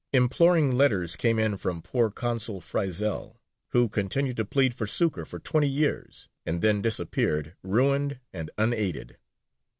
Imploring letters came in from poor Consul Frizell, who continued to plead for succour for twenty years, and then disappeared, ruined and unaided.